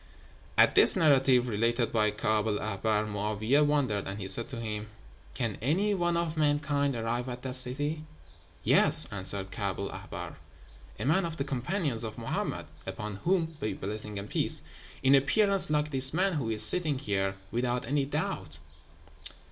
"At this narrative, related by Kaab el Ahbár, Mo'áwiyeh wondered, and he said to him, 'Can any one of mankind arrive at that city?' 'Yes,' answered Kaab el Ahbár; 'a man of the companions of Mohammed (upon whom be blessing and peace!), in appearance like this man who is sitting here, without any doubt.'